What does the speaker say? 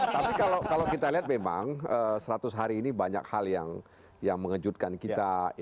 tapi kalau kita lihat memang seratus hari ini banyak hal yang mengejutkan kita